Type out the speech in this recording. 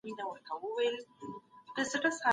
د چاپیریال پاکوالی هم زموږ د ټولو مسؤلیت دی.